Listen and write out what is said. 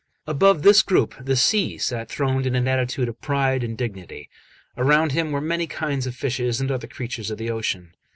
Above this group the Sea sat throned in an attitude of pride and dignity; around him were many kinds of fishes and other creatures of the ocean.